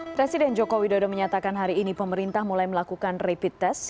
presiden joko widodo menyatakan hari ini pemerintah mulai melakukan rapid test